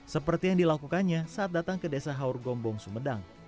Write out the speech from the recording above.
seperti yang dilakukannya saat datang ke desa haur gombong sumedang